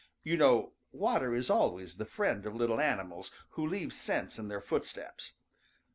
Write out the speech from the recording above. You know water is always the friend of little animals who leave scent in their footsteps.